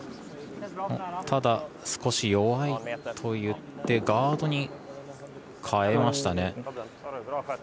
弱いといってガードに変えましたね。